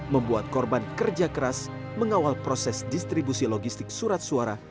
membuat korban kerja keras mengawal proses distribusi logistik surat suara